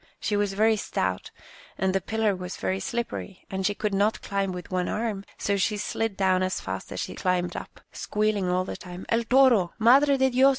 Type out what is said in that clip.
She was very stout, and the pillar was very slippery, and she could not climb with one arm, so she slid down as fast as she climbed Rainy Days 77 up, squealing all the time, "El toro> Madre de Dios